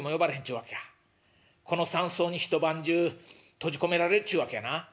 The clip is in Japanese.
この山荘に一晩中閉じ込められるっちゅうわけやな。